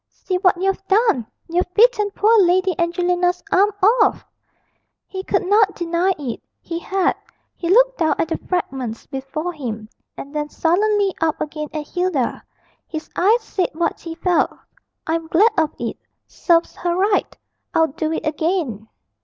'See what you've done! you've bitten poor Lady Angelina's arm off.' He could not deny it; he had. He looked down at the fragments before him, and then sullenly up again at Hilda. His eyes said what he felt 'I'm glad of it serves her right; I'd do it again.'